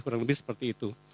kurang lebih seperti itu